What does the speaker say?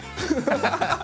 ハハハハ！